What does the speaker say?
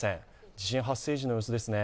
地震発生時の様子です。